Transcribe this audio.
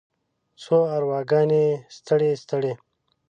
څو ارواګانې ستړې، ستړې